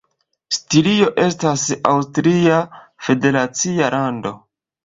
Stirio estas aŭstria federacia lando.